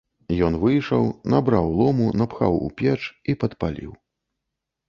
Ён выйшаў, набраў лому, напхаў у печ і падпаліў.